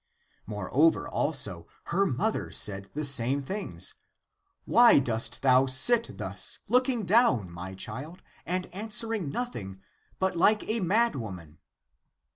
Moreover, also, her mother said the same things :" Why dost thou sit thus looking down, my child, and answering nothing, but like a mad woman?"